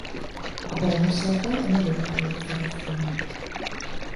A bajnokságban a negyedik helyet szerezte meg.